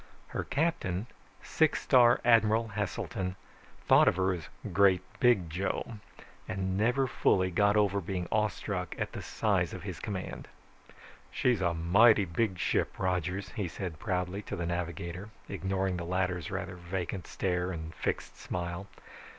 Her captain, six star Admiral Heselton, thought of her as Great Big Joe, and never fully got over being awestruck at the size of his command. "She's a mighty big ship, Rogers," he said proudly to the navigator, ignoring the latter's rather vacant stare and fixed smile.